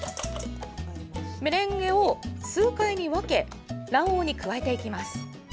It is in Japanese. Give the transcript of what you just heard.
メレンゲを数回に分け卵黄に加えていきます。